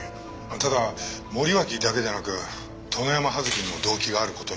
ただ森脇だけでなく殿山葉月にも動機がある事になります。